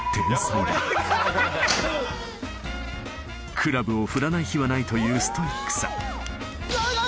クラブを振らない日はないというストイックさ